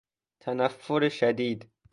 تنفر شدید